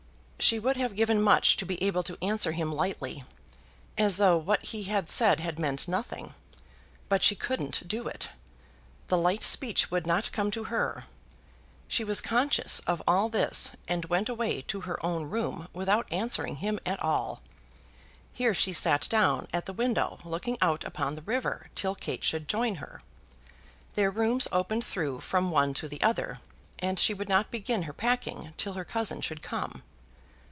She would have given much to be able to answer him lightly, as though what he had said had meant nothing; but she couldn't do it; the light speech would not come to her. She was conscious of all this, and went away to her own room without answering him at all. Here she sat down at the window looking out upon the river till Kate should join her. Their rooms opened through from one to the other, and she would not begin her packing till her cousin should come.